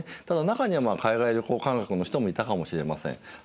ただ中には海外旅行感覚の人もいたかもしれません。